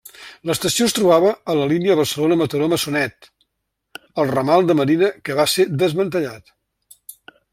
L'estació es trobava a la línia Barcelona-Mataró-Maçanet, al ramal de Marina que va ser desmantellat.